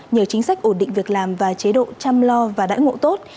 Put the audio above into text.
nhờ chính sách ổn định việc làm và chế độ chăm lo và đãi ngộ tốt